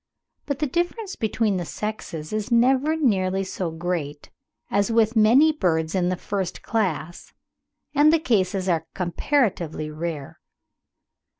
But the difference between the sexes is never nearly so great as with many birds in the first class, and the cases are comparatively rare.